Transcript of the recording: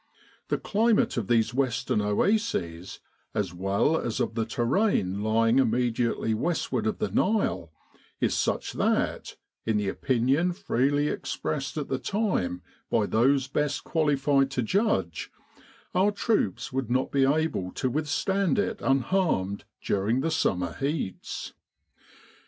The climate of these western oases, as well as of the terrain lying im mediately westward of the Nile, is such that, in the opinion freely expressed at the time by those best qualified to judge, our troops would not be able to withstand it unharmed during the summer heats.